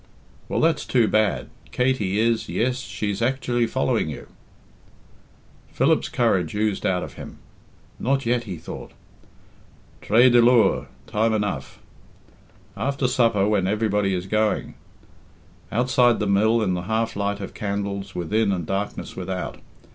"Well, that's too bad. Katey is yes, she's actually following you!" Philip's courage oozed out of him. "Not yet," he thought. Traa dy liooar time enough. "After supper, when everybody is going! Outside the mill, in the half light of candles within and darkness without!